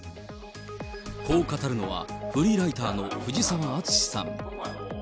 こう語るのは、フリーライターのふじさわあつしさん。